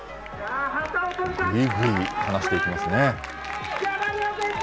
ぐいぐい離していきますね。